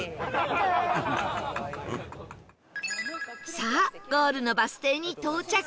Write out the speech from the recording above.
さあゴールのバス停に到着